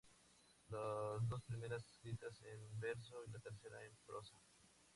Las dos primeras escritas en verso y la tercera en prosa.